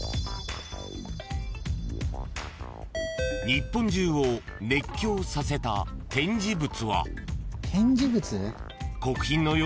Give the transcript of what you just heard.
［日本中を熱狂させた展示物は］